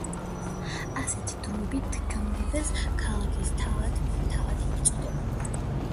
ასეთ დროებით გამგებელს „ქალაქის თავადი“ ეწოდებოდა.